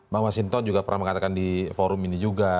pak mas inton juga pernah mengatakan di forum ini juga